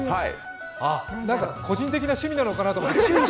個人的な趣味なのかなと。